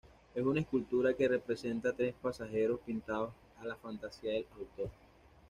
Es una escultura que representa a tres pasajeros pintados a la fantasía del autor.